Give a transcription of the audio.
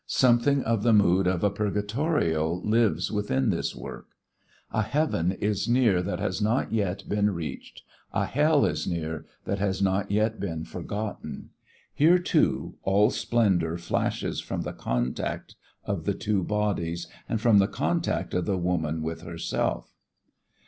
Something of the mood of a Purgatorio lives within this work. A heaven is near that has not yet been reached, a hell is near that has not yet been forgotten. Here, too, all splendour flashes from the contact of the two bodies and from the contact of the woman with herself.